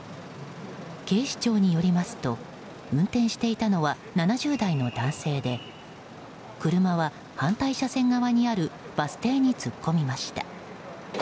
警視庁によりますと運転していたのは７０代の男性で車は反対車線側にあるバス停に突っ込みました。